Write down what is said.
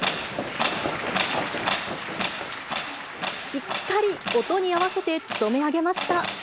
しっかり音に合わせて勤め上げました。